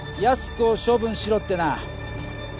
「ヤスコを処分しろ」ってな。